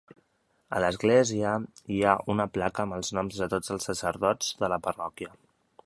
A l'església hi ha una placa amb els noms de tots els sacerdots de la parròquia.